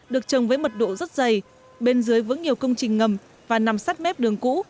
được trồng với mật độ rất dày bên dưới vững nhiều công trình ngầm và nằm sát mép đường cũ